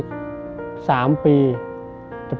แต่พอเข้าปีที่๔